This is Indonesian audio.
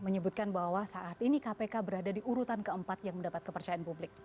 menyebutkan bahwa saat ini kpk berada di urutan keempat yang mendapat kepercayaan publik